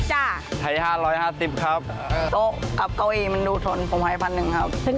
มีอายุถึง๓๐ปีทำเองศ่อเอง